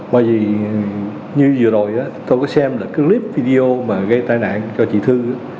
bởi vì như vừa rồi tôi có xem clip video gây tai nạn cho chị thư